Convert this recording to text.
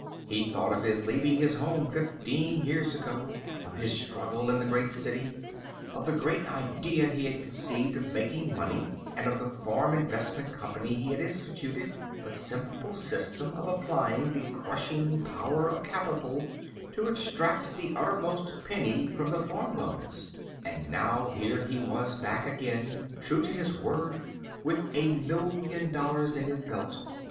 He thought of his leaving his home fifteen years ago, of his struggle in the great city, of the great idea he had conceived of making money, and of the Farm Investment Company he had instituted—the simple system of applying the crushing power of capital to exact the uttermost penny from the farm loans. And now here he was back again, true to his word, with a million dollars in his belt.